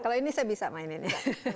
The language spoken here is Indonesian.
kalau ini saya bisa mainin ya